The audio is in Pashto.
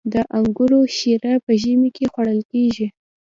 د انګورو شیره په ژمي کې خوړل کیږي.